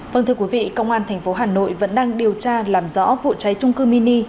vâng thưa quý vị công an thành phố hà nội vẫn đang điều tra làm rõ vụ cháy trung cư mini